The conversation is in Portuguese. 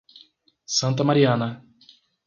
Santa Mariana